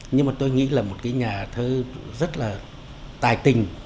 nhưng tôi nghĩ là một nhà thơ rất là tài tình